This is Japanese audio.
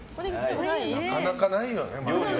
なかなかないよね。